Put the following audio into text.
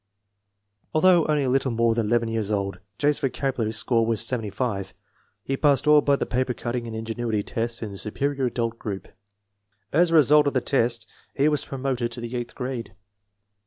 Although only a little more than 11 years old, J.'s vocabulary score was 75. He passed all but the paper cutting and ingenuity tests in the Superior Adult group. As a result of the test he was promoted to the eighth grade.